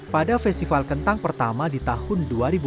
pada festival kentang pertama di tahun dua ribu enam belas